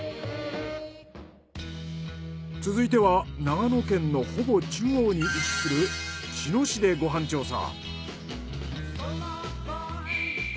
続いては長野県のほぼ中央に位置する茅野市でご飯調査。